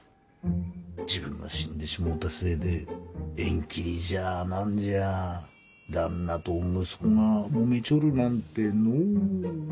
自分が死んでしもうたせいで縁切りじゃあ何じゃあ旦那と息子がもめちょるなんてのう。